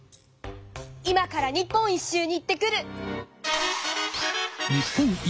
今から日本一周に行ってくる。